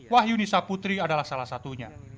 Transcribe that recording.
wahyu nisa putri adalah salah satunya